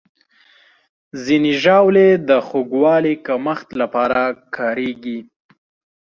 ځینې ژاولې د خوږوالي کمښت لپاره کارېږي.